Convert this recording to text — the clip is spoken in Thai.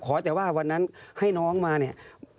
แต่ว่าวันนั้นให้น้องมาเนี่ย